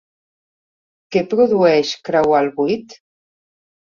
Què produeix creuar el Buit?